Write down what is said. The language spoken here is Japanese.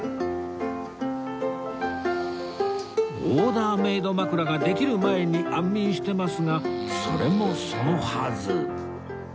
オーダーメイド枕ができる前に安眠してますがそれもそのはず